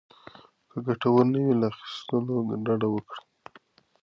که ګټور نه وي، له اخيستلو ډډه وکړئ.